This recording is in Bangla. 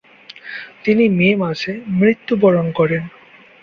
তিনি মে মাসে মৃত্যুবরণ করেন।